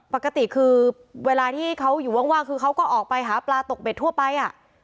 ปกติคือเวลาที่เขาอยู่ว่างคือเขาก็ออกไปหาปลาตกเบ็ดทั่วไป